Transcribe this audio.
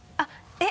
えっ？